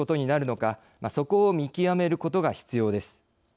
そこを見極めることが必要です。